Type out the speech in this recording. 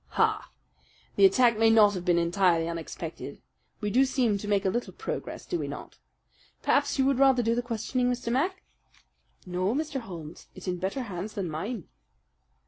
"Ha! The attack may not have been entirely unexpected. We do seem to make a little progress, do we not? Perhaps you would rather do the questioning, Mr. Mac?" "No, Mr. Holmes, it's in better hands than mine."